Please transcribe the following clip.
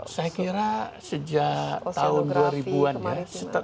saya kira sejak tahun dua ribu an ya